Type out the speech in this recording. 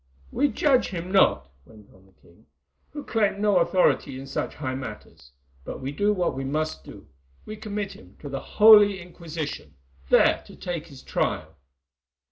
"We judge him not," went on the king, "who claim no authority in such high matters, but we do what we must do—we commit him to the Holy Inquisition, there to take his trial!"